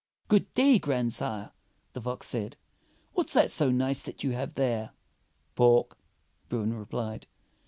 "Good day, grandsire," the fox said; "what's that so nice that you have there "Pork," Bruin replied.